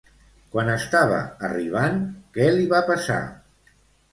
Quan estava arribant, què li va passar?